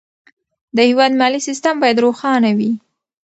د هېواد مالي سیستم باید روښانه وي.